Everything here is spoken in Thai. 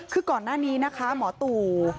คือก่อนหน้านี้นะคะหมอตู่